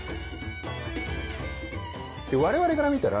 我々から見たら